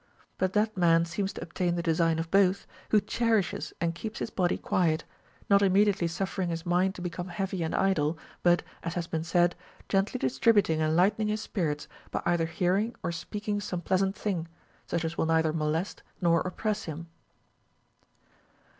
But that man seems to obtain the design of both, who cherishes and keeps his body quiet, not immediately suffering his mind to become heavy and idle, but (as has been said) gently distributing and lightening his spirits by either hearing or speaking some pleasant thing, such as will neither molest nor oppress him.